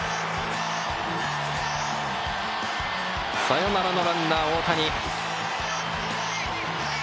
サヨナラのランナー大谷。